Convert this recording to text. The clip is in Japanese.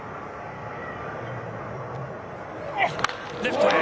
レフトへ。